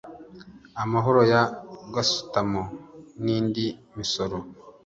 amahoro ya gasutamo n’indi misoro